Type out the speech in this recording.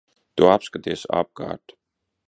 Tu apskaties apkārt.